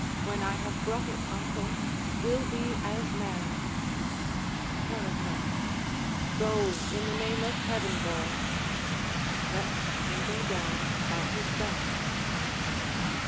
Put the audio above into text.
When I have brought it, uncle, We'll be as merry Caratach Go, i' the name of Heaven, boy! [_Lets Hengo down by his belt.